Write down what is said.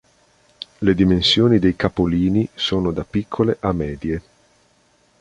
Le dimensioni dei capolini sono da piccole a medie.